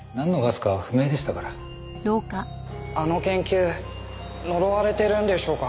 あの研究呪われてるんでしょうか？